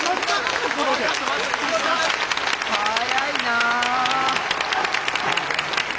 速いな。